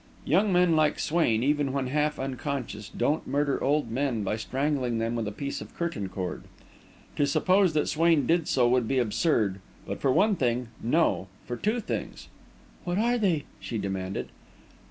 Young men like Swain, even when half unconscious, don't murder old men by strangling them with a piece of curtain cord. To suppose that Swain did so would be absurd, but for one thing no, for two things." "What are they?" she demanded.